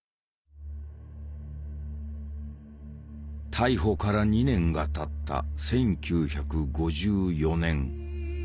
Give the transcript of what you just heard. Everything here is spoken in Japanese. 逮捕から２年がたった１９５４年。